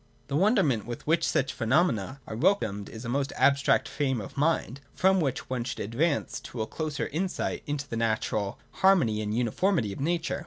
The wonder ment with which such phenomena are welcomed is a most abstract frame of mind, from which one should advance to a closer insight into the inner harmony and uniformity of nature.